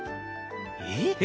えっ？